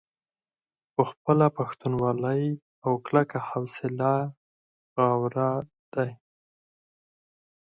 پۀ خپله پښتونولۍ او کلکه حوصله غاوره دے ۔